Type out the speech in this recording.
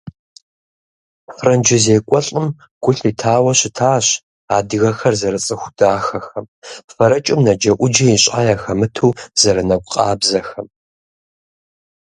Франджы зекӏуэлӏым гу лъитауэ щытащ адыгэхэр зэрыцӏыху дахэхэм, фэрэкӏым наджэӏуджэ ищӏа яхэмыту зэрынэкӏу къабзэхэм.